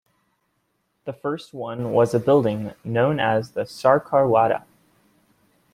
The first one was a building known as the Sarkar Wada.